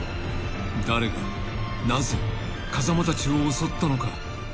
［誰がなぜ風間たちを襲ったのか？］